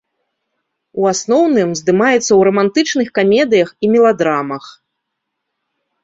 У асноўным здымаецца ў рамантычных камедыях і меладрамах.